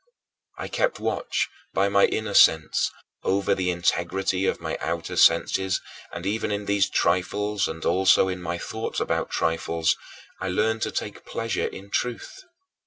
I kept watch, by my inner sense, over the integrity of my outer senses, and even in these trifles and also in my thoughts about trifles, I learned to take pleasure in truth.